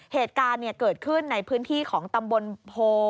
เหตุการณ์เกิดขึ้นในพื้นที่ของตำบลโพ